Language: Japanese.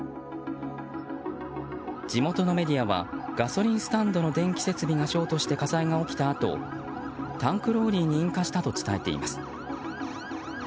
地元のメディアはガソリンスタンドの電気設備がショートして火災が起きたあとタンクローリーに引火したと伝えています。